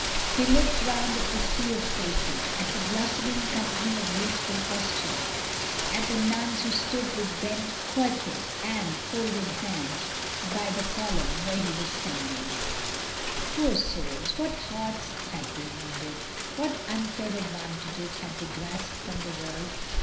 He looked round at the sea of faces, at the blooming company of youthful postulants, at the nuns who stood with bent coiffes and folded hands by the INCENSE AND VIOLETS. 6 1 column where he was standing. Poor souls! what hearts had they wounded, what unfair advantages had they grasped from the world?